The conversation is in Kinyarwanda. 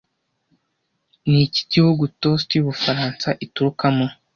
Niki gihugu toast yubufaransa iturukamo